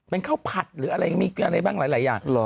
เป็นข้าวผัดหรืออะไรมีอะไรบ้างหลายอย่าง